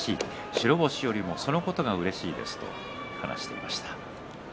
白星よりもそのことがうれしいですと話していました。